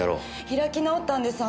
開き直ったんです